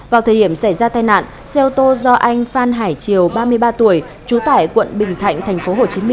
vào thời điểm xảy ra tai nạn xe ô tô do anh phan hải triều ba mươi ba tuổi trú tại quận bình thạnh tp hcm